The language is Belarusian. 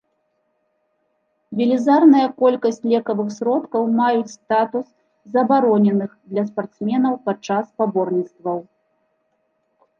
Велізарная колькасць лекавых сродкаў маюць статус забароненых для спартсменаў падчас спаборніцтваў.